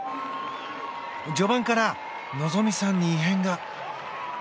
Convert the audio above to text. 序盤から、希実さんに異変が。